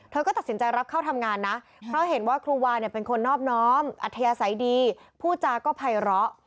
เธอก็ตัดสินใจรับเข้าทำงานนะเพราะเห็นว่าครูวาเป็นคนนอบน้อมอัทยาไสดีผู้จากภัยระ